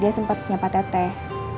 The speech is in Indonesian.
dia sempet nyapa teteh